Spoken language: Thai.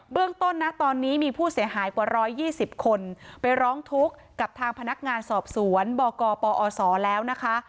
เรื่องต้นนะตอนนี้มีผู้เสียหายกว่า๑๒๐คนไปร้องทุกข์กับทางพนักงานสอบสวนบกปอศแล้วนะคะ